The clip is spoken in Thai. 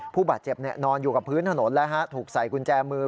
ผู้บาดเจ็บนอนอยู่กับพื้นถนนถูกใส่กุญแจมือ